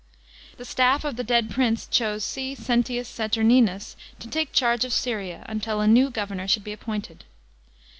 § 13. The staff of the dead prince chose Go. Renting or.tiirninus to take charge of Syria, until a new governor should oe appointed.